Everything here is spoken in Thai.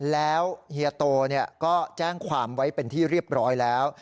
แล้วเฮียโตก็แจ้งความไว้เป็นที่เรียบร้อยแล้ว